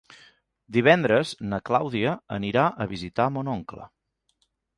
Divendres na Clàudia anirà a visitar mon oncle.